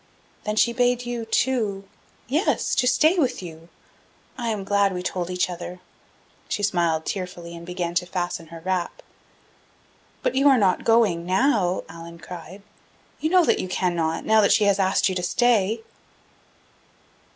"Then she bade you, too " "Yes, to stay with you. I am glad we told each other." She smiled tearfully and began to fasten her wrap. "But you are not going now!" Allan cried. "You know that you cannot, now that she has asked you to stay."